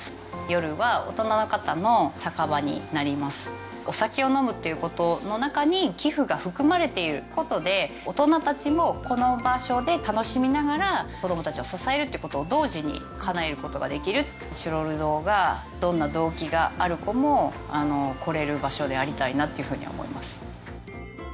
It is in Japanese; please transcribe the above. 夜は大人の方の酒場になりますお酒を飲むっていうことの中に寄付が含まれていることで大人達もこの場所で楽しみながら子供達を支えるっていうことを同時にかなえることができるチロル堂がどんな動機がある子も来れる場所でありたいなっていうふうには思います